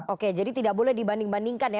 oke jadi tidak boleh dibanding bandingkan ya